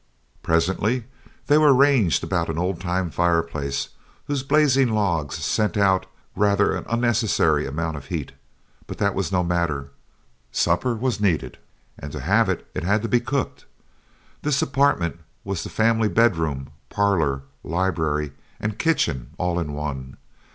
Presently they were ranged about an old time fire place whose blazing logs sent out rather an unnecessary amount of heat, but that was no matter supper was needed, and to have it, it had to be cooked. This apartment was the family bedroom, parlor, library and kitchen, all in one.